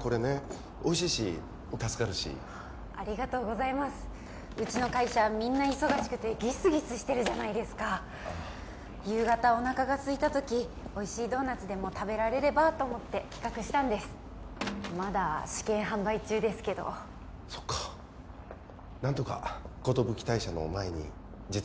これねおいしいし助かるしありがとうございますうちの会社はみんな忙しくてギスギスしてるじゃないですか夕方おなかがすいたときおいしいドーナツでも食べられればと思って企画したんですまだ試験販売中ですけどそっかなんとか寿退社の前に実現するといいね